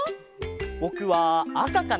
ぼくはあかかな！